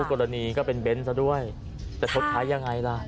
กรณีก็เป็นเบ้นซะด้วยแต่ชนท้ายยังไงล่ะ